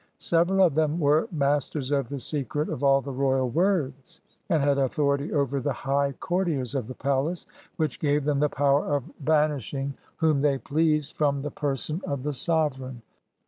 Several of them were " Masters of the Secret of all the Royal Words," and had authority over the high courtiers of the palace, which gave them the power of banishing whom they pleased from the person of the 17 EGYPT sovereign.